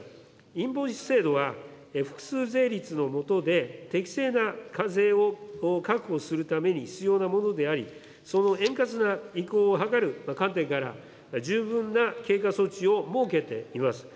インボイス制度は、複数税率の下で、適正な課税を確保するために必要なものであり、その円滑な移行を図る観点から、十分な経過措置を設けています。